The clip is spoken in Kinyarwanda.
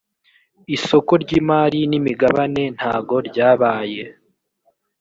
isoko ry’imari n’imigabane ntago ryabaye